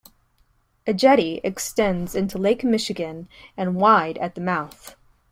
A jetty extends into Lake Michigan and wide at the mouth.